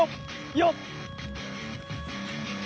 よっ！